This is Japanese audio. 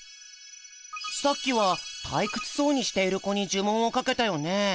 さっきは退屈そうにしている子に呪文をかけたよね？